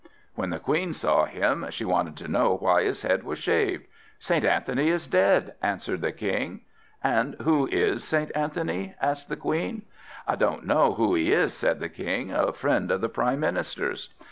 When the Queen saw him, she wanted to know why his head was shaved. "St. Anthony is dead," answered the King. "And who is St. Anthony?" asked the Queen. "I don't know who he is," said the King, "a friend of the Prime Minister's."